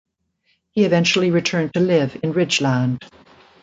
He eventually returned to live in Ridgeland.